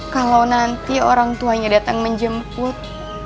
kalau nanti orang tuanya datang menjemput